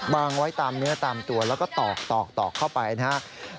วางไว้ตามเนื้อตามตัวแล้วก็ตอกเข้าไปนะครับ